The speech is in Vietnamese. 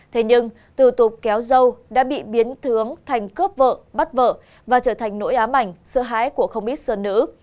thế nhưng từ tục kéo dâu đã bị biến thướng thành cướp vợ bắt vợ và trở thành nỗi ám ảnh sơ hái của không ít sơ nữ